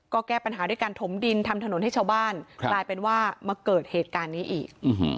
ก็แก้ปัญหาด้วยการถมดินทำถนนให้ชาวบ้านกลายเป็นว่ามาเกิดเหตุการณ์นี้อีก